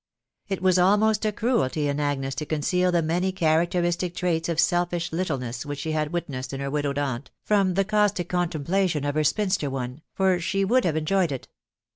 »» It was almost a cruelty in Agnes to conceal the many characteristic traits of selfish littleness which she had witnessed in her widowed aunt from the caustic contemplation of her spinster one, for she would have enjoyed it.